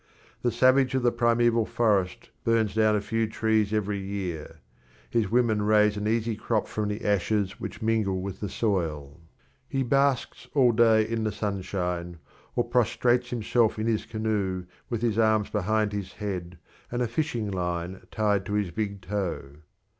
The savage of the primeval forest burns down a few trees every year; his women raise an easy crop from the ashes which mingle with the soil. He basks all day in the sunshine, or prostrates himself in his canoe with his arms behind his head and a fishing line tied to his big toe.